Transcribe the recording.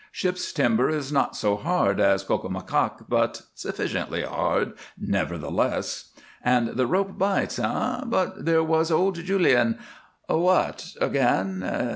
Ship's timber is not so hard as cocomacaque, but sufficiently hard, nevertheless. And the rope bites, eh? But there was old Julien What? Again?